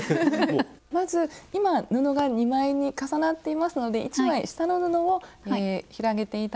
まず今布が２枚に重なっていますので１枚下の布を広げて頂いて。